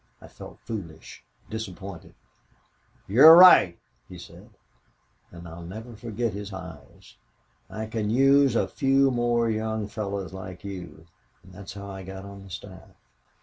I felt foolish, disappointed. "'You're right,' he said, 'and I'll never forget his eyes.' "'I can use a few more young fellows like you.' And that's how I got on the staff.